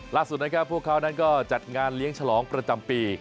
ล่าสุดนะครับพวกเขานั้นก็จัดงานเลี้ยงฉลองประจำปี